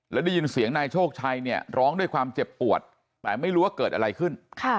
แล้วได้ยินเสียงนายโชคชัยเนี่ยร้องด้วยความเจ็บปวดแต่ไม่รู้ว่าเกิดอะไรขึ้น